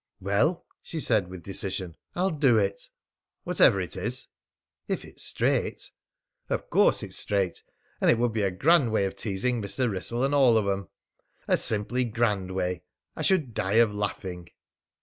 "Well," she said with decision, "I'll do it." "Whatever it is?" "If it's straight." "Of course it's straight. And it would be a grand way of teasing Mr. Wrissell and all of 'em! A simply grand way! I should die of laughing."